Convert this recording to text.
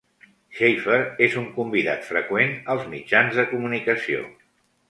Shaffer és un convidat freqüent als mitjans de comunicació.